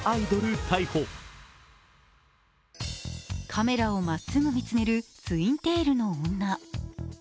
カメラをまっすぐ見つめるツインテールの女。